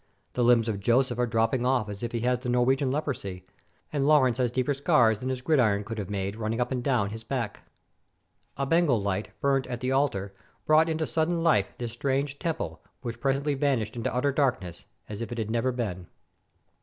The limbs of Joseph are dropping off as if he had the Norwegian leprosy, and Lawrence has deeper scars than his gridiron could have made, running up and down his back. A Bengal light, burnt at the altar, brought into sudden hfe this strange temple, which pres ently vanished into utter darkness, as if it had never been.